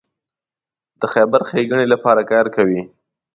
د خیر ښېګڼې لپاره کار کوي.